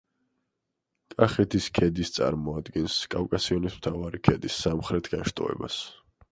კახეთის ქედის წარმოადგენს კავკასიონის მთავარი ქედის სამხრეთ განშტოებას.